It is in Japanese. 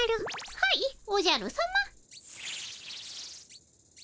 はいおじゃるさま。